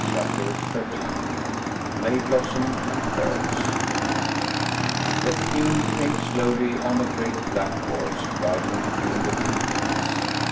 CHAPTER XIII MAY BLOSSOM AND PEARLS THE King came slowly on a great black horse, riding between the green trees.